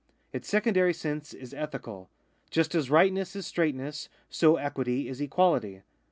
Its secondary sense is ethical. Just as rightness is straightness, so equity is equality.